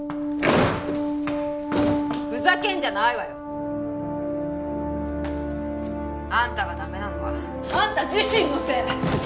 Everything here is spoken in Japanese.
ふざけんじゃないわよ。あんたが駄目なのはあんた自身のせい。